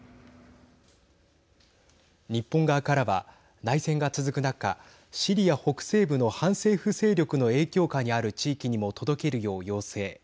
日本側からは、内戦が続く中シリア北西部の反政府勢力の影響下にある地域にも届けるよう要請。